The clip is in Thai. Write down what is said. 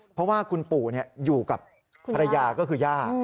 เพราะว่าคุณปู่อยู่กับภรรยาก็คือย่า